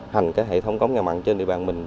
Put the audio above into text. hành các hệ thống cống ngăn mặn trên địa bàn mình